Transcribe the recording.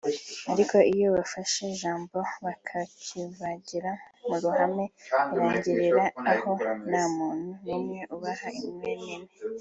ariko iyo bafashe ijambo bakakivugira mu ruhame birangirira aho nta muntu n’umwe ubaha inkwenene